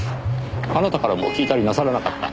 あなたからも聞いたりなさらなかった？